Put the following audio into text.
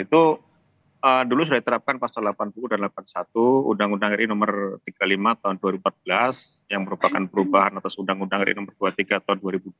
itu dulu sudah diterapkan pasal delapan puluh dan delapan puluh satu undang undang ri nomor tiga puluh lima tahun dua ribu empat belas yang merupakan perubahan atas undang undang ri nomor dua puluh tiga tahun dua ribu dua puluh